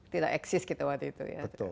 tidak eksis kita waktu itu ya